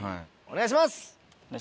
・お願いします